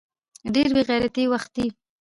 ډېر بې غېرته وختې.